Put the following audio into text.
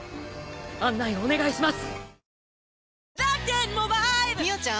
案内お願いします！